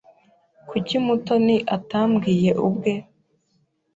Kuki Mutoni atambwiye ubwe?